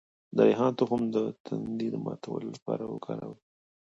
د ریحان تخم د تندې د ماتولو لپاره وکاروئ